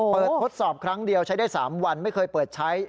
ทดสอบครั้งเดียวใช้ได้๓วันไม่เคยเปิดใช้